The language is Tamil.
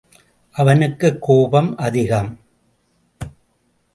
அவனுக்குக் கோபம் அதிகம்!